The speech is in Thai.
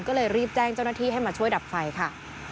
ก็เลยรีบแจ้งเจ้าหน้าที่ให้มาช่วยดับไฟค่ะ